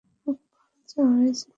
খুব ভালো চা হয়েছে নিজাম।